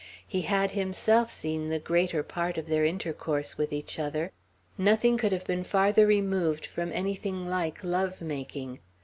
He had himself seen the greater part of their intercourse with each other; nothing could have been farther removed from anything like love making.